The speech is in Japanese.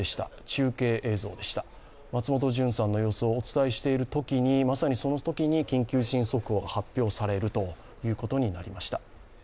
中継映像でした、松本潤さんの様子をお伝えしているときに緊急地震速報が発表されるということになりました。